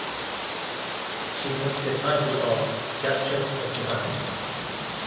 She took the title of Duchess of Brabant.